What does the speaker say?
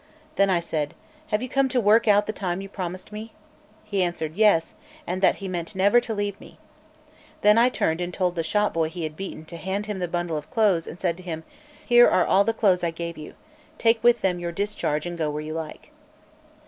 Then I said: "Have you come to work out the time you promised me?" He answered yes, and that he meant never to leave me. Then I turned and told the shopboy he had beaten to hand him the bundle of clothes, and said to him: "Here are all the clothes I gave you; take with them your discharge, and go where you like."